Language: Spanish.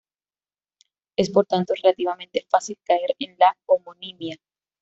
Es, por tanto, relativamente fácil caer en la homonimia.